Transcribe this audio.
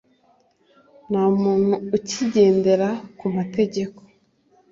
nta muntu ukigendera kuma tegeko